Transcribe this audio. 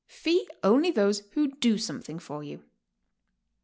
Fee only those who do something for you.